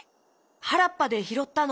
はらっぱでひろったの。